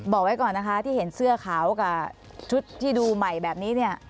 บอกไว้ก่อนนะคะที่เห็นเสื้อขาวกับชุดที่ดูใหม่แบบนี้เนี่ย